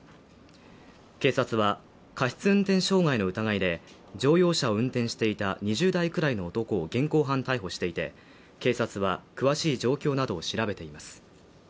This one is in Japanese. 警察は過失運転傷害の疑いで、乗用車を運転していた２０代くらいの男を現行犯逮捕していて、警察は詳しい状況などを調べています。